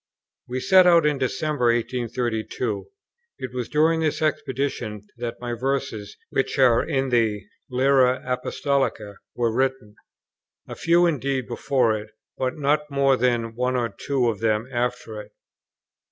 We set out in December, 1832. It was during this expedition that my Verses which are in the Lyra Apostolica were written; a few indeed before it, but not more than one or two of them after it.